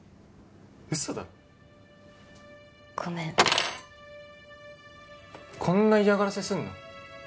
ウソだろごめんこんな嫌がらせすんの？